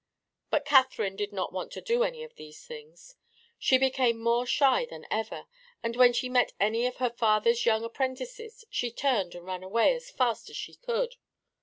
But Catherine did not want to do any of these things. She became more shy than ever, and when she met any of her father's young apprentices she turned and ran away as fast as she could.